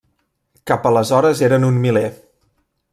Cap aleshores eren un miler.